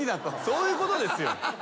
そういうことですよ。